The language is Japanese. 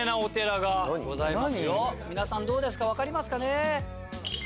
皆さんどうですか分かりますかね？